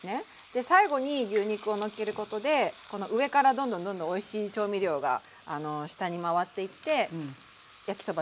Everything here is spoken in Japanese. で最後に牛肉をのっけることで上からどんどんどんどんおいしい調味料が下に回っていって焼きそば全体がおいしくなるので。